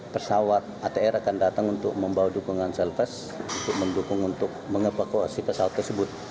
pesawat atr akan datang untuk membawa dukungan selves untuk mendukung untuk mengevakuasi pesawat tersebut